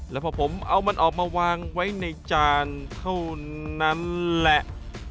แล้วพอผมเอามันออกมาวางไว้ในจานเท่านั้นแหละ